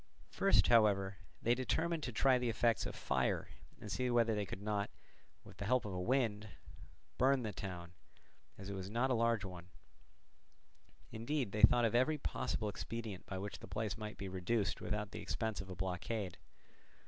First, however, they determined to try the effects of fire and see whether they could not, with the help of a wind, burn the town, as it was not a large one; indeed they thought of every possible expedient by which the place might be reduced without the expense of a blockade.